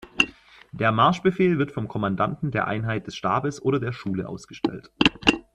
Der Marschbefehl wird vom Kommandanten der Einheit, des Stabes oder der Schule ausgestellt.